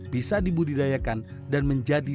bisa dibudidayakan dan menjadi